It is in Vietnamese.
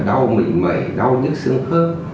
đau mịn mẩy đau nhức sướng hơn